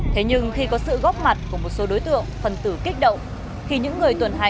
thế nhưng khi có sự góc mặt của một số đối tượng phần tử kích động